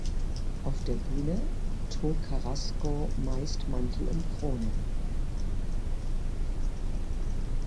Auf der Bühne trug Carrasco meist Mantel und Krone.